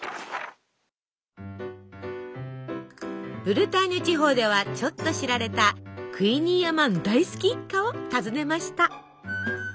ブルターニュ地方ではちょっと知られたクイニーアマン大好き一家を訪ねました。